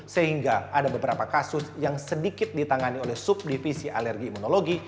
sehingga ada beberapa kasus yang sedikit ditangani oleh subdivisi alergi imunologi